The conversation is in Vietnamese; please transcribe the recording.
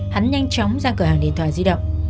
hắn nhanh chóng ra cửa hàng điện thoại di động